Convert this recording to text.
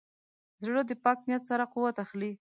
زړه د پاک نیت سره قوت اخلي.